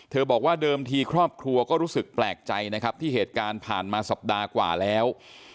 บอกว่าเดิมทีครอบครัวก็รู้สึกแปลกใจนะครับที่เหตุการณ์ผ่านมาสัปดาห์กว่าแล้ว